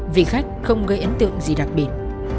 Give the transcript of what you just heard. vì khách không gây ấn tượng gì đặc biệt